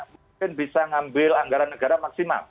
mungkin bisa ngambil anggaran negara maksimal